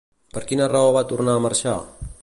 Per quina raó va tornar a marxar?